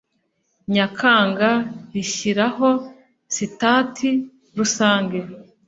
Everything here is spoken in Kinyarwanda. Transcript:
Nyakanga rishyiraho sitati rusange